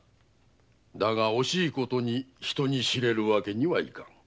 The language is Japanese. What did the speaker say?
だが惜しいことに人に知れるわけにはいかぬ。